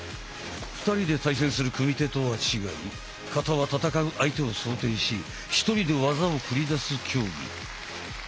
２人で対戦する組手とは違い形は戦う相手を想定し１人で技を繰り出す競技。